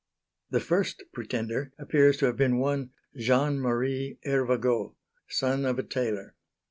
The first pretender appears to have been one Jean Marie Hervagault, son of a tailor.